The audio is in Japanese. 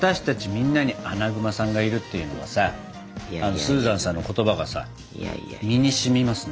みんなにアナグマさんがいるっていうのもさスーザンさんの言葉がさ身にしみますね。